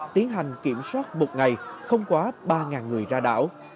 tiến hành kiểm soát một ngày không quá ba người ra đảo